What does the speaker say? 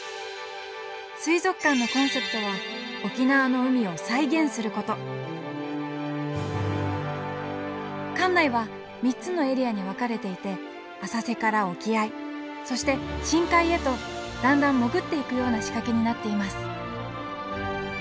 水族館のコンセプトは沖縄の海を再現すること館内は３つのエリアに分かれていて浅瀬から沖合そして深海へとだんだん潜っていくような仕掛けになっています。